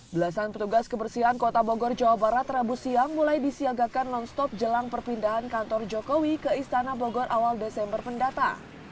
belasan petugas kebersihan kota bogor jawa barat rabu siang mulai disiagakan non stop jelang perpindahan kantor jokowi ke istana bogor awal desember pendata